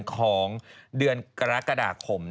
ของเดือนกรกฎาคม